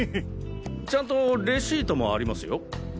ちゃんとレシートもありますよ。